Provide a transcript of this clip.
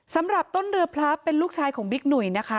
สำหรับต้นเรือพลับเป็นลูกชายของบิ๊กหนุ่ยนะคะ